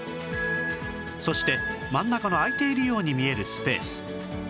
そして真ん中の空いているように見えるスペース